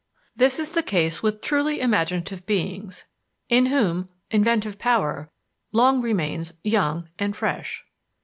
This is the case with truly imaginative beings, in whom inventive power long remains young and fresh.